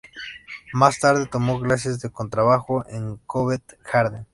Más tarde tomó clases de contrabajo en Covent Garden.